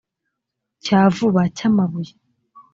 cya vuba cy amabuye